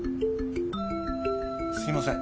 すみません。